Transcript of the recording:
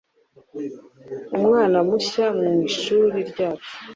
umwana mushya muri shuri ryacu